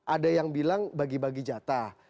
ada yang bilang bagi bagi jatah